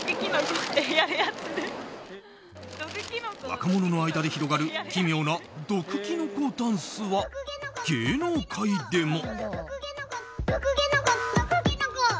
若者の間で広がる奇妙な毒きのこダンスは芸能界でも。